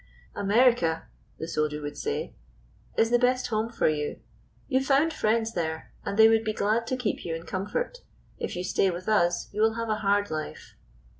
"America," the soldier would say, "is the best home for you. You found friends there, and they would be glad to keep you in comfort. If you stay with us, you will have a hard life."